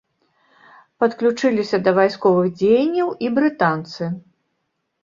Падключыліся да вайсковых дзеянняў і брытанцы.